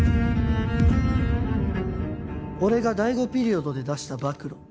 俺が第５ピリオドで出した暴露。